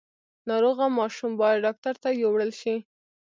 ناروغه ماشوم باید ډاکټر ته یووړل شي۔